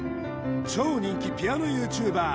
超人気ピアノＹｏｕＴｕｂｅｒ